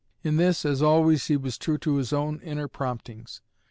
In this, as always, he was true to his own inner promptings.